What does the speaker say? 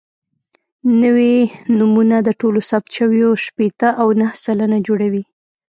نوي نومونه د ټولو ثبت شویو شپېته او نهه سلنه جوړوي.